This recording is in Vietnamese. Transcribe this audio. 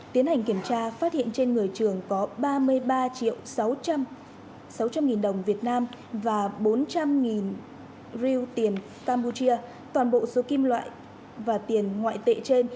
tiến hành kiểm tra phát hiện trên người trường có ba mươi ba triệu sáu trăm linh đồng việt nam và bốn trăm linh reu tiền campuchia toàn bộ số kim loại và tiền ngoại tệ trên